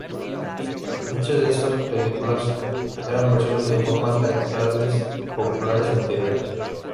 Muchas de estas películas eran versiones de formas teatrales populares anteriores.